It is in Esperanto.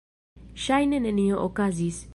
Ŝajne nenio okazis.